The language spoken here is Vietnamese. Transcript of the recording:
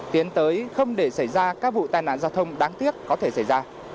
tiến tới không để xảy ra các vụ tai nạn giao thông đáng tiếc có thể xảy ra